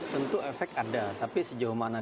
tentu efek ada tapi sejauh mana